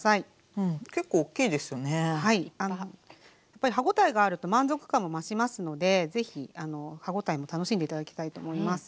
やっぱり歯応えがあると満足感も増しますので是非歯応えも楽しんで頂きたいと思います。